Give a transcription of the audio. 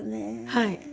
はい。